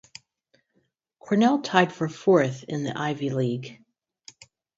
Cornell tied for fourth in the Ivy League.